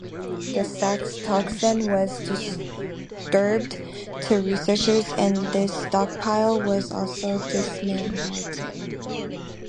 The saxitoxin was distributed to researchers and this stockpile was also dismantled.